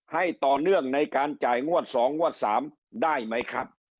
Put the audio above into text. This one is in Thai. ให้ต่อเนื่องในการจ่ายงวด๒งวด๓ได้ไหมครับ